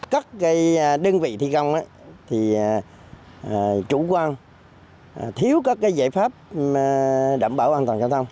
các đơn vị thi công thì chủ quan thiếu các giải pháp đảm bảo an toàn cho thông